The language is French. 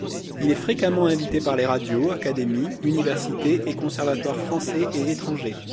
Il est fréquemment invité par les radios, académies, universités et conservatoires français et étrangers.